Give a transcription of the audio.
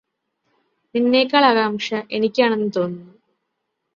നിന്നെക്കാൾ ആകാംഷ എനിക്കാണെന്ന് തോന്നുന്നു